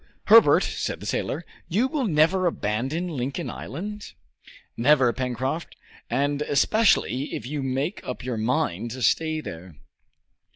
"Herbert," said the sailor, "you will never abandon Lincoln Island?" "Never, Pencroft, and especially if you make up your mind to stay there."